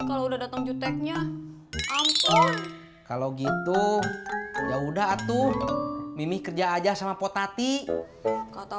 kalau udah datang juteknya ampun kalau gitu yaudah atuh mimi kerja aja sama potati kata